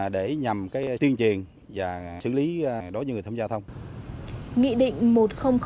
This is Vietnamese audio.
để nhằm tiên triền và xử lý đối với người tham gia giao thông